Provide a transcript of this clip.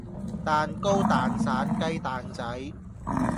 蛋糕蛋散雞蛋仔